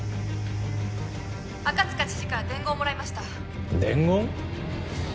赤塚知事から伝言をもらいました伝言？